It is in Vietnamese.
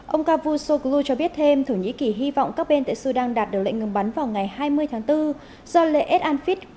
ông cavusoglu cho biết thêm thổ nhĩ kỳ hy vọng các bên tại sudan đạt được lệnh ngừng bắn vào ngày hai mươi tháng bốn do lệ ad anfit của năm nay sẽ diễn ra sớm